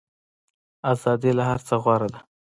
ازادي له هر څه غوره ده.